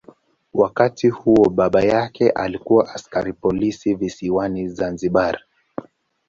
Wakati huo baba yake alikuwa askari polisi visiwani Zanzibar.